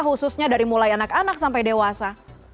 khususnya dari mulai anak anak sampai dewasa